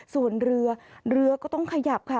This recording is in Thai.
ส่วนเรือเรือก็ต้องขยับค่ะ